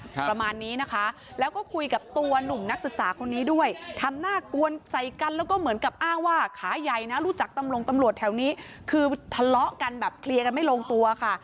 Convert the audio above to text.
ประมาณนี้นะคะแล้วก็คุยกับตัวหนุ่มนักศึกษาคนนี้ด้วยทำหน้ากวนใส่กันแล้วก็เหมือนกับอ้างว่าขาใหญ่นะรู้จักตำรวจแถวนี้คือทะเลาะกันแบบเคลียร์กันไม่ลงตัวค่ะ